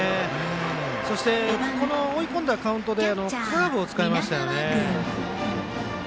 そして追い込んだカウントでカーブを使いましたよね。